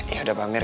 yaudah pak amir